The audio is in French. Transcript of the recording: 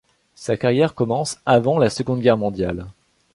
Sa carrière commence avant la Seconde Guerre mondiale.